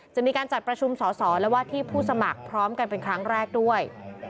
จะมีการจัดประชุมสอสอและว่าที่ผู้สมัครพร้อมกันเป็นครั้งแรกด้วย